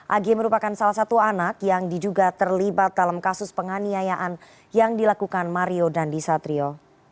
ag merupakan salah satu anak yang diduga terlibat dalam kasus penganiayaan yang dilakukan mario dandisatrio